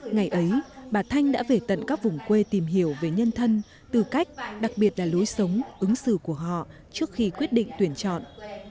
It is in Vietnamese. ngày ấy bà thanh đã về tận các vùng quê tìm hiểu về nhân thân tư cách đặc biệt là lối sống ứng xử của họ trước khi quyết định tuyển chọn